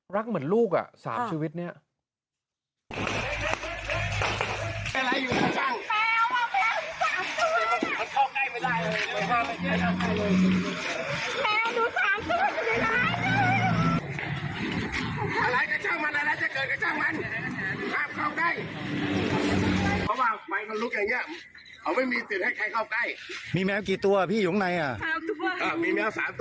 รักเหมือนลูก๓ชีวิตเนี่ย